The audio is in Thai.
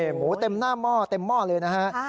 หมูเต็มหน้าหม้อเต็มหม้อเลยนะฮะ